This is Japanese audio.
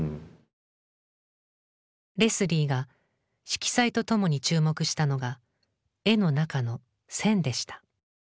レスリーが色彩と共に注目したのが絵の中の線でした。